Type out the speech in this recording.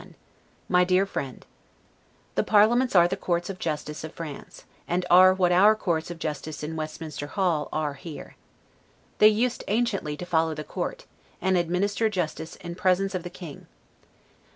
S. 1751 MY DEAR FRIEND: The parliaments are the courts of justice of France, and are what our courts of justice in Westminster Hall are here. They used anciently to follow the court, and administer justice in presence of the King.